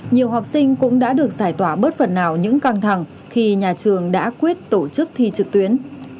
nhiều học sinh cũng đã được giải tỏa bớt phần nào những căng thẳng khi nhà trường đã quyết tổ chức thi trực tuyến